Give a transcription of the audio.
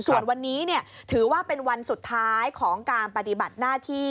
ส่วนวันนี้ถือว่าเป็นวันสุดท้ายของการปฏิบัติหน้าที่